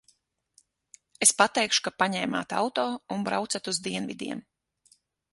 Es pateikšu, ka paņēmāt auto un braucat uz dienvidiem.